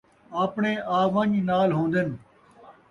آپݨے آ ونڄ نال ہوندن